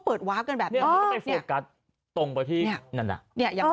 เปิดวาสกันแบบนี้เขาก็ไปโฟกัสตรงไปพี่นั่น